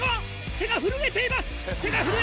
手が震えている！